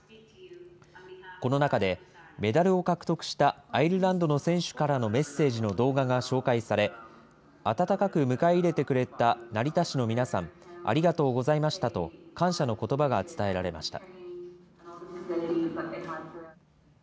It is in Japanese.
この中で、メダルを獲得したアイルランドの選手からのメッセージの動画が紹介され、温かく迎え入れてくれた成田市の皆さん、ありがとうございましたと感謝のことばが伝えられました。